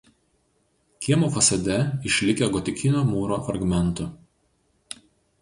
Kiemo fasade išlikę gotikinio mūro fragmentų.